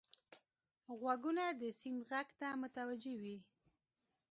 غوږونه د سیند غږ ته متوجه وي